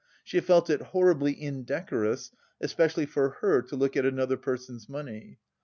She felt it horribly indecorous, especially for her, to look at another person's money.